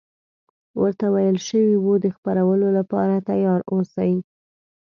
ورته ویل شوي وو د خپرولو لپاره تیار اوسي.